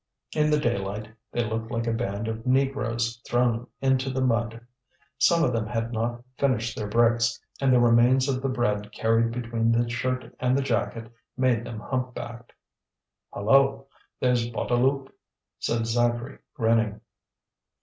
In the daylight they looked like a band of Negroes thrown into the mud. Some of them had not finished their bricks; and the remains of the bread carried between the shirt and the jacket made them humpbacked. "Hallo! there's Bouteloup." said Zacharie, grinning.